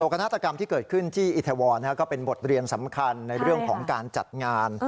ฆาตกรรมที่เกิดขึ้นที่อิทวรก็เป็นบทเรียนสำคัญในเรื่องของการจัดงาน